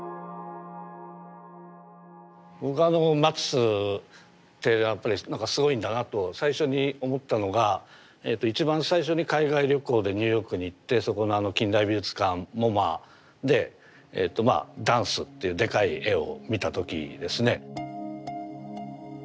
僕はあのマティスってやっぱりすごいんだなと最初に思ったのが一番最初に海外旅行でニューヨークに行ってそこの近代美術館ＭｏＭＡで「ダンス」っていうでかい絵を見た時ですね。